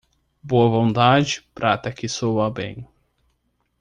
Boa vontade, prata que soa bem.